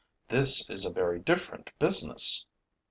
This is a very different business!'